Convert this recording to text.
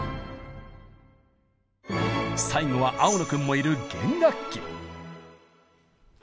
最後は青野君もいる弦楽器。